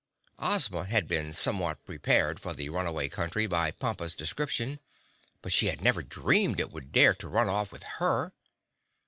Ozma had been somewhat prepared for the Runaway Country by Pompa's description, but she had never dreamed it would dare to run off with her.